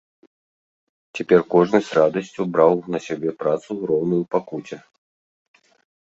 Цяпер кожны з радасцю браў на сябе працу, роўную пакуце.